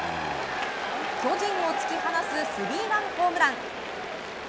巨人を突き放すスリーランホームラン。